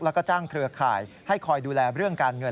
แล้วก็จ้างเครือข่ายให้คอยดูแลเรื่องการเงิน